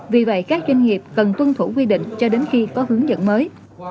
vì vậy các doanh nghiệp cần tuân thủ quy định cho đến khi có hướng dẫn mới